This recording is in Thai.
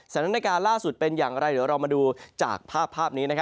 สถานการณ์ล่าสุดเป็นอย่างไรเดี๋ยวเรามาดูจากภาพนี้